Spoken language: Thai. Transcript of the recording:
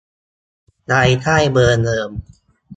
ย้ายค่ายเบอร์เดิม